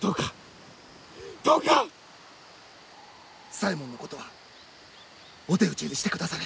左衛門のことはお手討ちにしてくだされ。